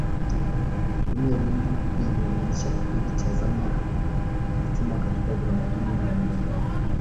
Kwa kutumia elimu hii walianzisha kipindi cha zama za chuma katika tamaduni mbalimbali.